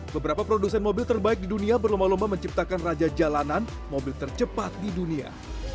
beberapa produsen mobil terbaik di dunia berlomba lomba menciptakan raja jalanan mobil tercepat di dunia